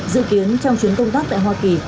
dự kiến trong chuyến công tác tại hoa kỳ